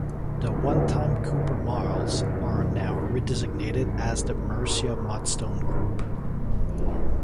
The one-time Keuper Marls are now redesignated as the Mercia Mudstone Group.